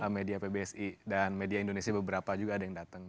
media pbsi dan media indonesia beberapa juga ada yang datang